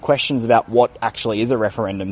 dan pertanyaan yang mengganggu apa sebenarnya referandum